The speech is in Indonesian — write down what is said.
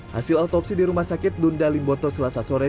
hasil otopsi di rumah sakit dunda limboto selasa sore